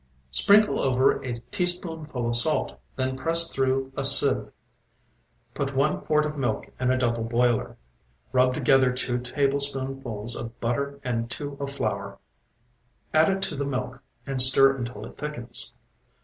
Sprinkle over a teaspoonful of salt, then press through a sieve. Put one quart of milk in a double boiler. Rub together two tablespoonfuls of butter and two of flour, add it to the milk and stir until it thickens.